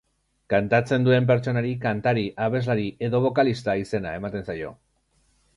Kantatzen duen pertsonari kantari, abeslari edo bokalista izena ematen zaio.